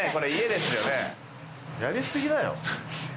やりすぎだよ！